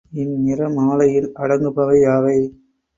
இந்நிறமாலையில் அடங்குபவை யாவை?